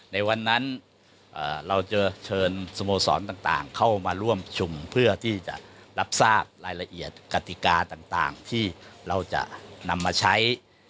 ในวันนั้นเราจะเชิญสโมสรต่างเข้ามาร่วมชุมเพื่อที่จะรับทราบรายละเอียดกติกาต่างที่เราจะนำมาใช้